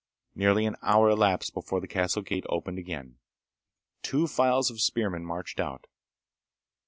Nearly an hour elapsed before the castle gate opened again. Two files of spearmen marched out.